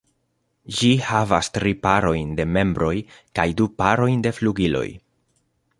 Ĝi havas tri parojn de membroj kaj du parojn de flugiloj.